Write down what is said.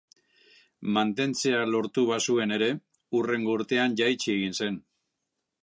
Mantentzea lortu bazuen ere hurrengo urtean jaitsi egin zen.